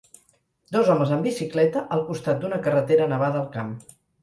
Dos homes amb bicicleta al costat d'una carretera nevada al camp.